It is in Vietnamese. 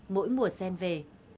mỗi mùa sen về